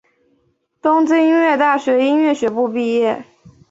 东京音乐大学音乐学部毕业。